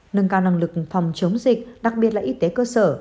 nâng cao năng lực phòng chống dịch đặc biệt là y tế cơ sở